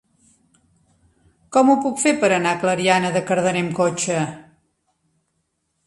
Com ho puc fer per anar a Clariana de Cardener amb cotxe?